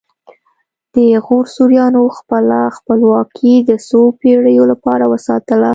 د غور سوریانو خپله خپلواکي د څو پیړیو لپاره وساتله